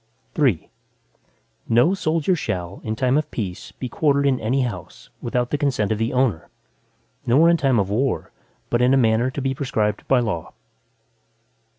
III No soldier shall, in time of peace be quartered in any house, without the consent of the owner, nor in time of war, but in a manner to be prescribed by law.